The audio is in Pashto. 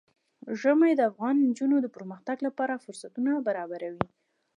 ژمی د افغان نجونو د پرمختګ لپاره فرصتونه برابروي.